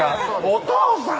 お父さん！